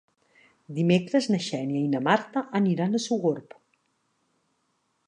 Dimecres na Xènia i na Marta aniran a Sogorb.